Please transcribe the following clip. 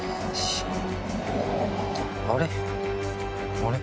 あれ？